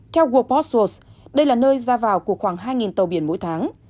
theo world postales đây là nơi ra vào của khoảng hai tàu biển mỗi tháng